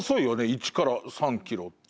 １から３キロって。